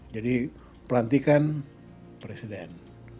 jadi perhentikan presiden